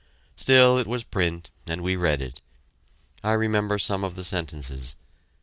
Still, it was print, and we read it; I remember some of the sentences.